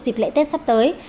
dịp lễ tết sắp tới